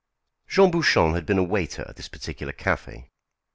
Jean Bouchon had been a waiter at this particular café.